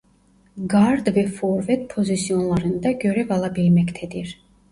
Gard ve forvet pozisyonlarında görev alabilmektedir.